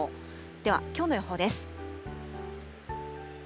ではきょうの予報です。